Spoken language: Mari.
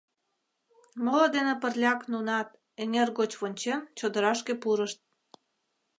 Моло дене пырляк нунат, эҥер гоч вончен, чодырашке пурышт.